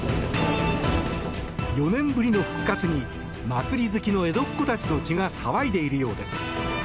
４年ぶりの復活に祭り好きの江戸っ子たちの血が騒いでいるようです。